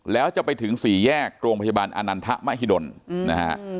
แล้วจะไปถึงสี่แยกโรงพยาบาลอานันทะมหิดลนะฮะ